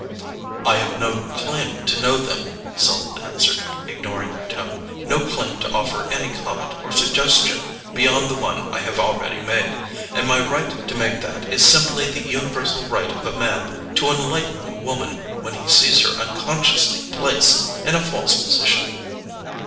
"I have no claim to know them," Selden answered, ignoring her tone; "no claim to offer any comment or suggestion beyond the one I have already made. And my right to make that is simply the universal right of a man to enlighten a woman when he sees her unconsciously placed in a false position."